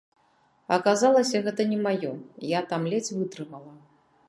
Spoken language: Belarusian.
Аказалася, гэта не маё, я там ледзь вытрымала.